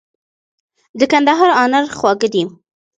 د کندهار انار خواږه دي.